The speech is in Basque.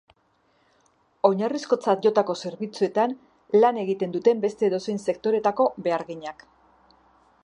Oinarrizkotzat jotako zerbitzuetan lan egiten duten beste edozein sektoretako beharginak.